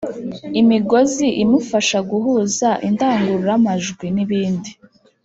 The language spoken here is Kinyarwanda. Imigozi imufasha guhuza indangururamajwi n’ibindi